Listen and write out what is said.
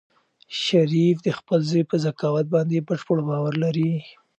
شریف د خپل زوی په ذکاوت باندې بشپړ باور لري.